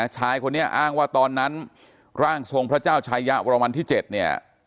ชายคนนี้อ้างว่าตอนนั้นร่างทรงพระเจ้าชายะวรวันที่๗เนี่ย